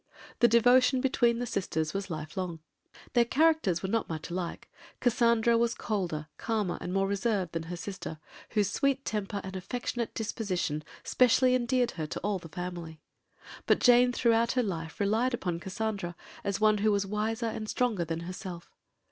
The devotion between the sisters was lifelong. Their characters were not much alike; Cassandra was colder, calmer, and more reserved than her sister, whose sweet temper and affectionate disposition specially endeared her to all her family; but Jane throughout her life relied upon Cassandra as one who was wiser and stronger than herself.